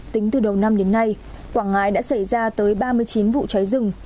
tính từ đầu năm đến nay quảng ngãi đã xảy ra tới ba mươi chín vụ cháy rừng